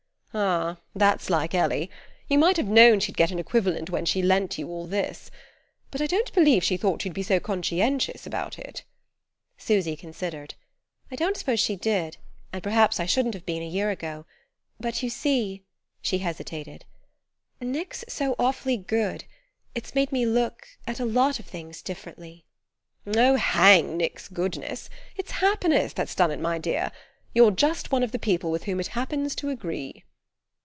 "Ah, that's like Ellie: you might have known she'd get an equivalent when she lent you all this. But I don't believe she thought you'd be so conscientious about it." Susy considered. "I don't suppose she did; and perhaps I shouldn't have been, a year ago. But you see" she hesitated "Nick's so awfully good: it's made me look; at a lot of things differently...." "Oh, hang Nick's goodness! It's happiness that's done it, my dear. You're just one of the people with whom it happens to agree."